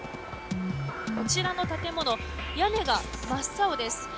こちらの建物屋根が真っ青です。